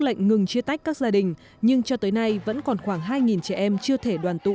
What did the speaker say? lệnh ngừng chia tách các gia đình nhưng cho tới nay vẫn còn khoảng hai trẻ em chưa thể đoàn tụ